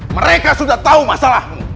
mereka sudah tahu masalahmu